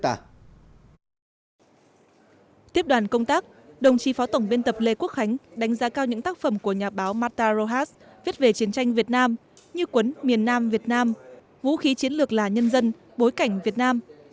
tiếp đoàn công tác đồng chí phó tổng biên tập lê quốc khánh đánh giá cao những tác phẩm của nhà báo mata rohas viết về chiến tranh việt nam như quấn miền nam việt nam vũ khí chiến lược là nhân dân bối cảnh việt nam